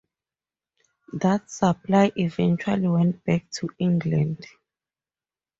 That supply eventually went back to England.